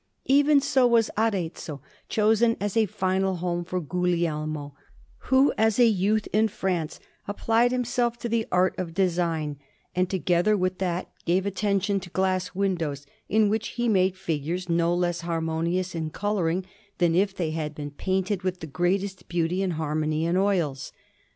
Even so was Arezzo chosen as a final home by Guglielmo, who, as a youth in France, applied himself to the art of design, and together with that gave attention to glass windows, in which he made figures no less harmonious in colouring than if they had been painted with the greatest beauty and harmony in oils.